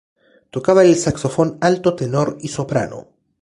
Tocaba el saxofón alto, tenor y soprano.